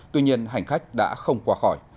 tuy nhiên hành khách đã không qua khỏi